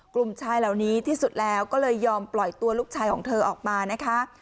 กลุ่มชายเหล่านี้ที่สุดแล้วก็เลยยอมปล่อยตัวลูกชายของเธอออกมานะคะ